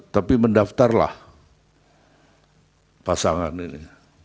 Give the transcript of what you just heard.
tapi mendaftarlah pasangan ini